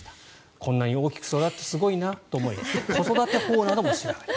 こんなに大きく育ってすごいなと思い子育て法なども調べた。